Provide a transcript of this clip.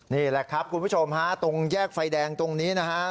นี่แหละครับคุณผู้ชมฮะตรงแยกไฟแดงตรงนี้นะฮะ